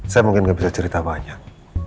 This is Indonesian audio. saya mungkin nggak bisa cerita banyak